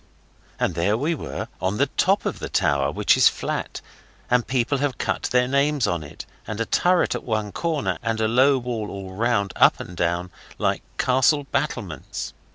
And there we were on the top of the tower, which is flat, and people have cut their names on it, and a turret at one corner, and a low wall all round, up and down, like castle battlements.